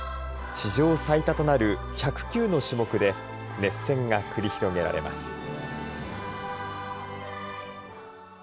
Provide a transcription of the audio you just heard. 史上最多となる１０９の種目で熱戦が繰り広げられます。